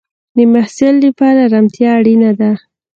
د محصل لپاره ارامتیا اړینه ده.